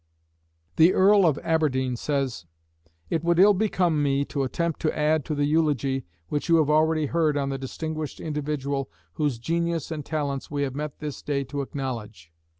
The Earl of Aberdeen says: It would ill become me to attempt to add to the eulogy which you have already heard on the distinguished individual whose genius and talents we have met this day to acknowledge.